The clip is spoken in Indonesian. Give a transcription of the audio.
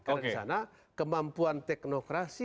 karena di sana kemampuan teknokrasi